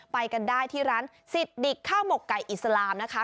ไปกันได้ที่ร้านสิทธิดิกข้าวหมกไก่อิสลามนะคะ